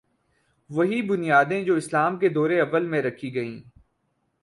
وہی بنیادیں جو اسلام کے دور اوّل میں رکھی گئیں۔